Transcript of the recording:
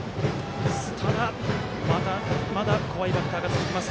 ただ、まだ怖いバッターが続きます。